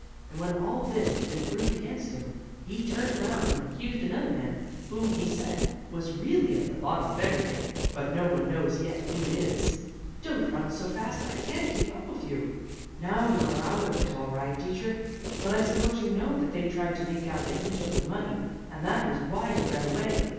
And when all this had been proved against him, he turned round and accused another man, who, he said, was really at the bottom of everything; but no one knows yet who it is. Don't run so fast; I can't keep up with you. Now you're out of it all right, Dietrich; but I suppose you know that they tried to make out that you took the money, and that was why you ran away.